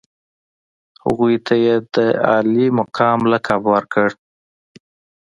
هغوی ته یې د عالي مقام لقب ورکړ.